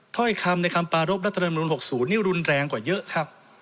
ถ้อยคำในคำปารพรัฐธรรมนุน๖๐นี่รุนแรงกว่าเยอะครับ